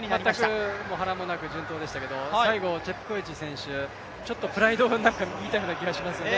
全く波乱もなく、順当でしたけど、最後、チェプコエチ選手、ちょっとプライドを見たような気がしますね。